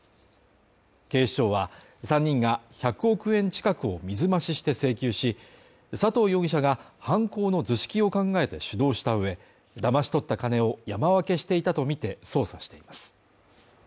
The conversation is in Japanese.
警視庁は３人が１００億円近くを水増しして請求し佐藤容疑者が犯行の図式を考えて主導した上、だまし取った金を山分けしていたとみて捜査しています。